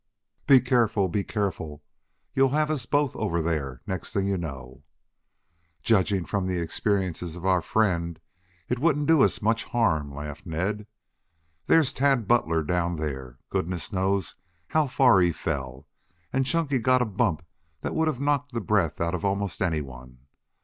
"Be careful! Be careful! You'll have both of us over there, next thing you know." "Judging from the experiences of our friends, it wouldn't do us much harm," laughed Ned. "There's Tad Butler down there. Goodness knows how far he fell, and Chunky got a bump that would have knocked the breath out of almost anyone.